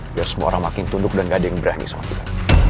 biar semua orang makin tunduk dan gak ada yang berani sama kita